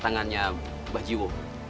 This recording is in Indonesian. tangannya mbah jiwo